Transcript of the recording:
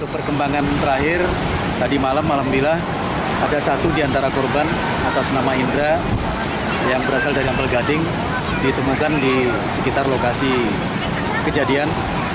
perkembangan terakhir tadi malam malam bila ada satu di antara korban atas nama indra yang berasal dari ampel gading ditemukan di sekitar lokasi kejadian